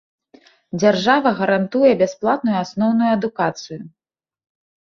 Дзяржава гарантуе бясплатную асноўную адукацыю.